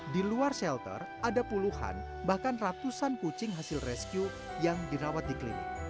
di luar shelter ada puluhan bahkan ratusan kucing hasil rescue yang dirawat di klinik